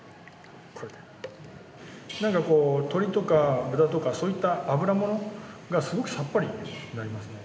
なんかこう鶏とか豚とかそういったアブラものがすごくさっぱりになりますね。